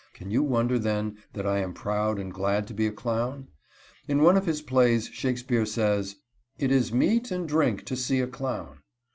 Can you wonder, then, that I am proud and glad to be a clown? In one of his plays Shakespeare says: "_It is meat and drink to see a clown.